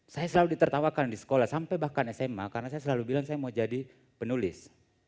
saya selalu ditertawakan di sekolah sampai bahkan sma karena saya selalu bilang saya mau jadi penulis